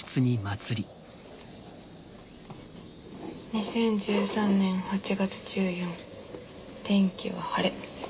２０１３年８月１４日天気は晴れ。